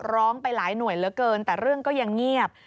ร้องไปหลายหน่วยเหลือเกินแต่เรื่องก็ยังเงียบ